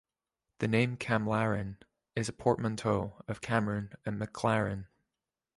The name "Camlaren" is a portmanteau of Cameron and McLaren.